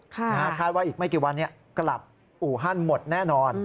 คาดว่าอีกไม่กี่วันนี้กลับอู่ฮั่นหมดแน่นอน